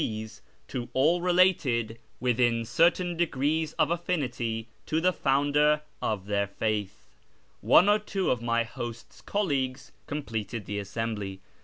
s to all related, witliin certain degrees of atlinity, to tlie founder of tlieir faith. One or two of my host's colleagues completed the assembly.